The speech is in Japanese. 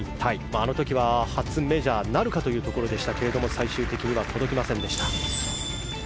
あの時は初メジャーなるかというところでしたが最終的には届きませんでした。